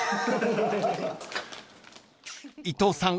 ［伊藤さん